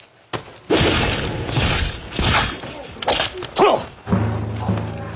殿！